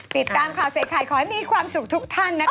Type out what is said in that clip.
ติดตามข่าวใส่ไข่ขอให้มีความสุขทุกท่านนะคะ